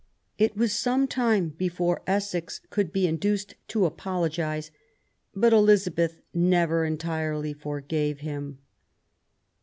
It was some time before Essex could be induced to apologise, but Elizabeth never entirely forgave him.